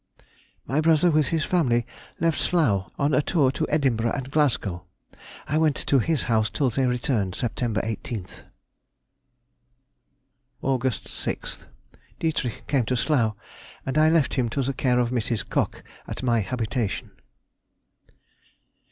_—My brother with his family left Slough on a tour to Edinburgh and Glasgow. I went to his house till they returned, Sept. 18th. Aug. 6th.—Dietrich came to Slough, and I left him to the care of Mrs. Cock, at my habitation.